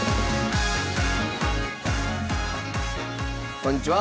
こんにちは。